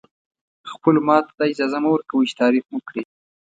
خپلو ماتو ته دا اجازه مه ورکوئ چې تعریف مو کړي.